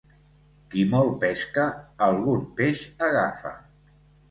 Qui molt pesca algun peix agafa.